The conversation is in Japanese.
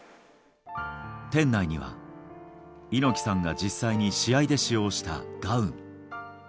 店内には、猪木さんが実際に試合で使用したガウン。